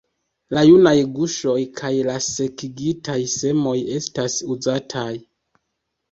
La junaj guŝoj kaj la sekigitaj semoj estas uzataj.